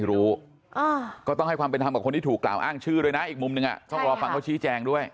รู้ก็ต้องให้ความเป็นธรรมกับคนที่ถูกกล่าวอ้างชื่อด้วยนะอีกมุมหนึ่งต้องรอฟังเขาชี้แจงด้วย